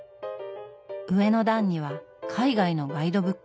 上の段には海外のガイドブック。